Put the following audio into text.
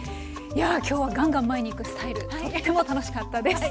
いや今日はガンガン前にいくスタイルとっても楽しかったです。